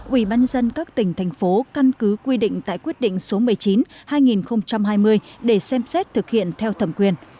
ủy ban nhân dân các tỉnh thành phố căn cứ quy định tại quyết định số một mươi chín hai nghìn hai mươi để xem xét thực hiện theo thẩm quyền